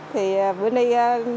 thì bữa nay